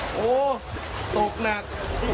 โอ้โหตกหนัก